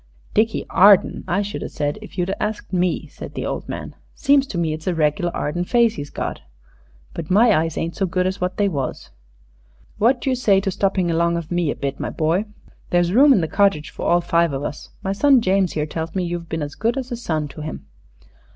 "Dickie Arden, I should a said if you'd asked me," said the old man. "Seems to me it's a reg'lar Arden face he's got. But my eyes ain't so good as wot they was. What d'you say to stopping along of me a bit, my boy? There's room in the cottage for all five of us. My son James here tells me you've been's good as a son to him."